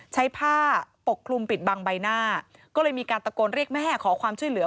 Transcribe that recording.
ใช้ผ้าปกคลุมปิดบังใบหน้าก็เลยมีการตะโกนเรียกแม่ขอความช่วยเหลือ